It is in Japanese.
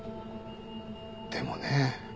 でもね